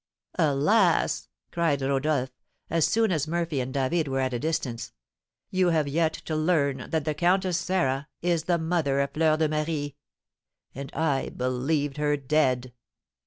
"Alas!" cried Rodolph, as soon as Murphy and David were at a distance, "you have yet to learn that the Countess Sarah is the mother of Fleur de Marie; and I believed her dead."